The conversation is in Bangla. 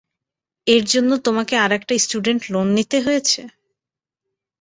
এর জন্য তোমাকে আরেকটা স্টুডেন্ট লোন নিতে হয়েছে?